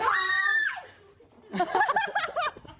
ทุเรียนหมอนทอง